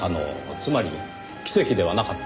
つまり奇跡ではなかった。